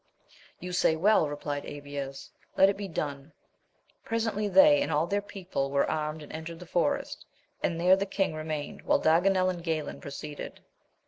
You say well, rephed Abies, let it be done. Presently they and all their people were armed and entered the forest, and there the king re mained, while Daganel and Galayn proceeded.